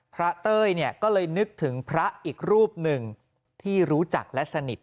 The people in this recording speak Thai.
เต้ยก็เลยนึกถึงพระอีกรูปหนึ่งที่รู้จักและสนิท